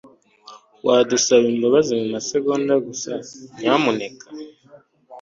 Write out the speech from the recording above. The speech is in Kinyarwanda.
Wadusaba imbabazi kumasegonda gusa, nyamuneka?